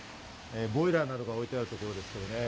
ボイラーなどが置いてあるところです。